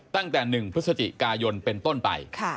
ตั้งแต่๑พฤศจิกายนเป็นต้นไป